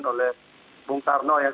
oleh bung karno yang